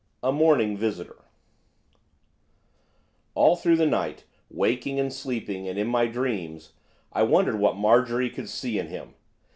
A MORNING VISITOR All through the night, waking and sleeping, and in my dreams, I wondered what Marjorie could see in him!